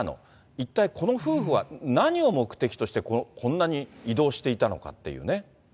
一体この夫婦は何を目的として、こんなに移動していたのかっていうね。